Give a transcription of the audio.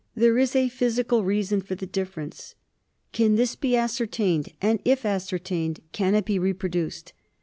There is a physical reason for the difference. Can this be ascertained and, if ascertained, can it be reproduced